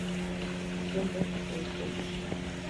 Cramer and Co.